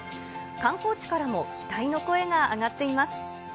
観光地からも期待の声が上がっています。